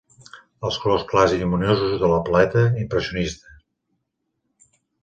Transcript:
Els colors clars i lluminosos de la paleta impressionista.